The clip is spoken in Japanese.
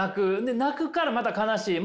で泣くからまた悲しい。